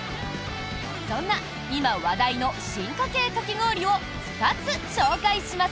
そんな今話題の進化系かき氷を２つ紹介します。